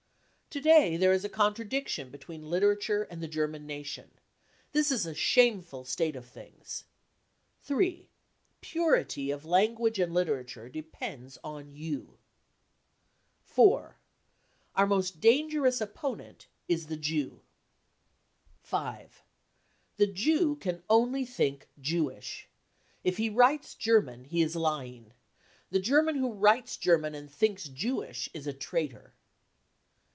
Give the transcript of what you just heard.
To day there is a contradiction between literature and the German nation. This is a shameful state of things. 3. Purity of language and literature depends on you ! 4. Our most dangerous opponent is the Jew. 5. The Jew can only think Jewish. If he writes German, he is lying. The German who writes German and thinks Jewish is a traitor.